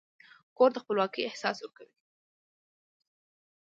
کور د خپلواکۍ احساس ورکوي.